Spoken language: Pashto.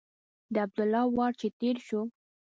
د عبدالله وار چې تېر شو.